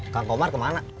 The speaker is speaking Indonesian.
kang komar kemana